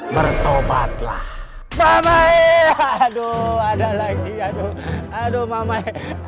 bertobatlah mamah aduh ada lagi aduh aduh mamah